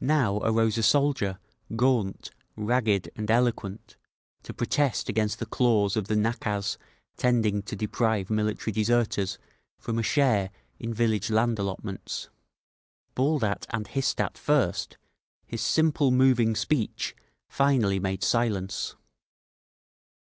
Now arose a soldier, gaunt, ragged and eloquent, to protest against the clause of the nakaz tending to deprive military deserters from a share in village land allotments. Bawled at and hissed at first, his simple, moving speech finally made silence.